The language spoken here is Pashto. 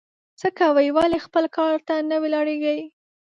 څه کوې ؟ ولي خپل کار ته نه ولاړېږې؟